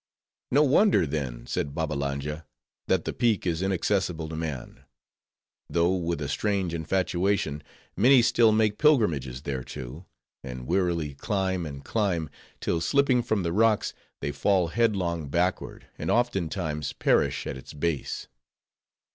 "No wonder, then," said Babbalanja, "that the peak is inaccessible to man. Though, with a strange infatuation, many still make pilgrimages thereto; and wearily climb and climb, till slipping from the rocks, they fall headlong backward, and oftentimes perish at its base."